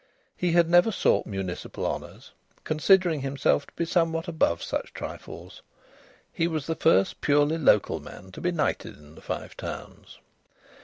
He had never sought municipal honours, considering himself to be somewhat above such trifles. He was the first purely local man to be knighted in the Five Towns.